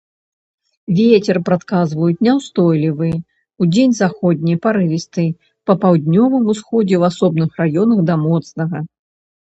Вецер прадказваюць няўстойлівы, удзень заходні, парывісты, па паўднёвым усходзе ў асобных раёнах да моцнага.